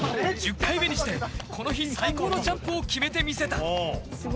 １０回目にしてこの日最高のジャンプを決めてみせた。